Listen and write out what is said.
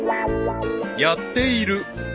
［やっている］